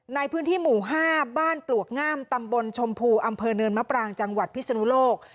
ในพื้นที่หมู่๕บ้านปลวกงามตำบลชมพูอำเภอเนินมะปรางจังหวัดพิศนุโลก